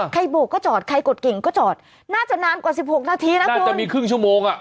โบกก็จอดใครกดกิ่งก็จอดน่าจะนานกว่าสิบหกนาทีนะคะน่าจะมีครึ่งชั่วโมงอ่ะ